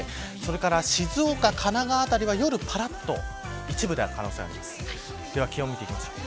それから静岡、神奈川辺りは夜にぱらっと一部で降る可能性があります。